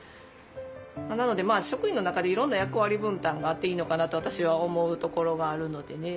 なので職員の中でいろんな役割分担があっていいのかなと私は思うところがあるのでね。